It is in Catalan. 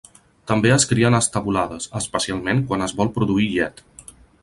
També es crien estabulades, especialment quan es vol produir llet.